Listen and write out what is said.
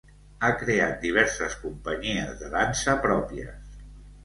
Ha creat diverses companyies de dansa pròpies.